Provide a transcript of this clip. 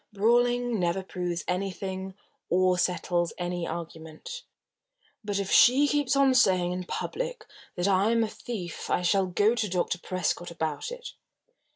"Brawling never proves anything, or settles any argument. But if she keeps on saying in public that I am a thief I shall go to Dr. Prescott about it."